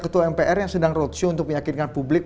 ketua mpr yang sedang roadshow untuk meyakinkan publik